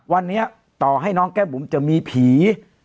วันนี้ต่อให้น้องแก้มบุ๋มจะมีผี